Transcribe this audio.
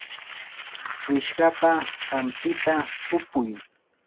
wishqapa hampita upuy.